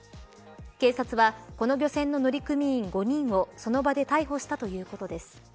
警察は、この漁船の乗組員５人をその場で逮捕したということです。